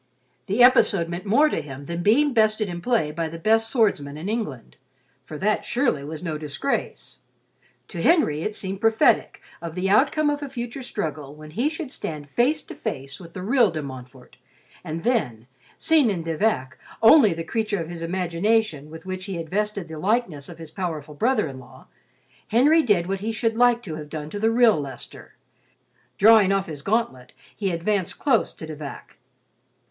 The episode meant more to him than being bested in play by the best swordsman in England—for that surely was no disgrace—to Henry it seemed prophetic of the outcome of a future struggle when he should stand face to face with the real De Montfort; and then, seeing in De Vac only the creature of his imagination with which he had vested the likeness of his powerful brother in law, Henry did what he should like to have done to the real Leicester. Drawing off his gauntlet he advanced close to De Vac.